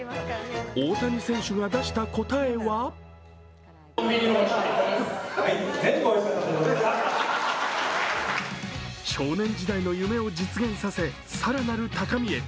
大谷選手が出した答えは少年時代の夢を実現させ、更なる高みへ。